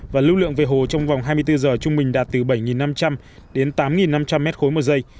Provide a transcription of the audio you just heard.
và lưu lượng về hồ trong vòng hai mươi bốn giờ trung bình đạt từ bảy năm trăm linh đến tám năm trăm linh mét khối một giây